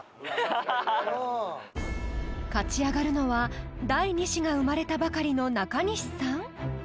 ［勝ち上がるのは第二子が生まれたばかりの中西さん？］